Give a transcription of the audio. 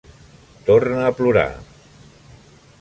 Torna a plorar.